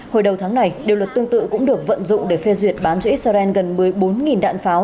hồi đầu tháng này điều luật tương tự cũng được vận dụng để phê duyệt bán cho israel gần một mươi bốn đạn pháo